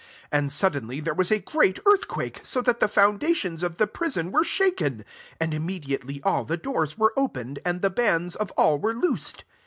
26 And suddenly there was a gre; at earthquake, so thai the foundations of the prison were shaken ; and immediatstjr all the doors were opened, and the bands of all were loosed.